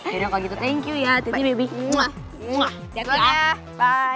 yaudah kalau gitu thank you ya tv baby